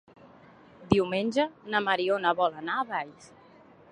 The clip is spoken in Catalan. Diumenge na Mariona vol anar a Valls.